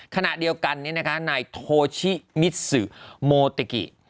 ขณะเดียวกันนี่นะคะนายโทชิมิสุโมติกิ